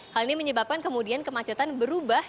hal ini menyebabkan kemudian kemacetan berubah